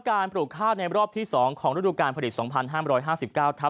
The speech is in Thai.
ปลูกข้าวในรอบที่๒ของฤดูการผลิต๒๕๕๙ทับ